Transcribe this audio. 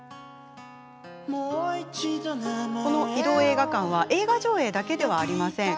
この移動映画館は映画上映だけではありません。